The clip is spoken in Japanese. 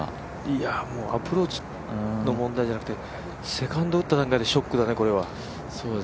いや、もうアプローチの問題じゃなくてセカンド打った段階でショックだね、これは。